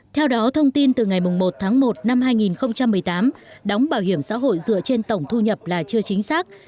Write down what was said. theo đó thông tin từ ngày một tháng một năm hai nghìn một mươi tám đóng bảo hiểm xã hội dựa trên tổng thu nhập là chưa chính xác